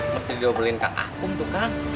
mesti dia beliin kak akum tuh kang